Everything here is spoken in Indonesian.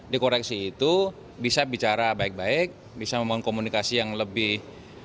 di koreksi itu bisa bicara baik baik bisa membangun komunikasi yang lebih